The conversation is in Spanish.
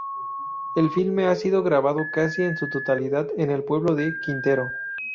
El filme ha sido grabado casi en su totalidad en el pueblo de Quintero.